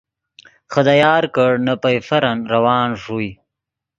خدا یار کڑ نے پئیفرن روان ݰوئے